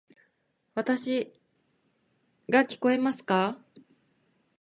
わたし（の声）が聞こえますか？